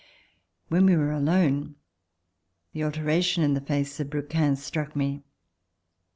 When we were alone, the alteration in the face of Brouquens struck miC.